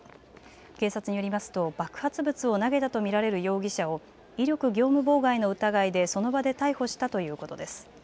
警察によりますと爆発物を投げたと見られる容疑者を威力業務妨害の疑いでその場で逮捕したということです。